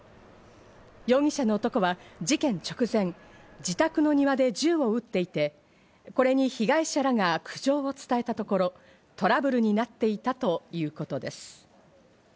容疑者の男は事件直前、自宅の庭で銃を撃っていて、これに被害者らが苦情を伝えたところ、トラブルになっていたということです。